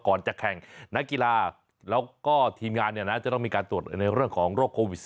ก่อนจะแข่งนักกีฬาแล้วก็ทีมงานเนี่ยนะจะต้องมีการตรวจในเรื่องของโรคโควิด๑๙